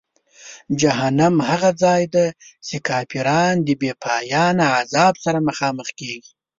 جهنم هغه ځای دی چې کافران د بېپایانه عذاب سره مخامخ کیږي.